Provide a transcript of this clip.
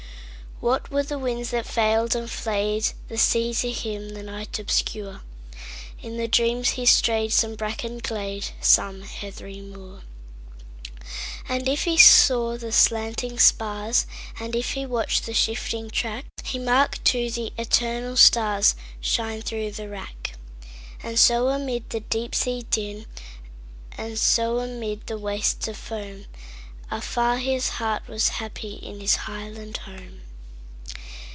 What were the winds that flailed and flayedThe sea to him, the night obscure? In dreams he strayed some brackened glade, Some heathery moor. And if he saw the slanting spars, And if he watched the shifting track, He marked, too, the eternal starsShine through the wrack. And so amid the deep sea din, And so amid the wastes of foam, Afar his heart was happy inHis highland home!